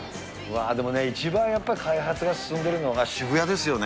でもね、一番やっぱり開発が進んでるのが渋谷ですよね。